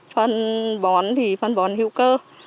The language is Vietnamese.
phân bón thì phân bón hữu cơ